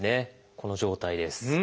この状態です。